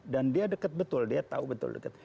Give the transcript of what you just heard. dan dia dekat betul dia tahu betul betul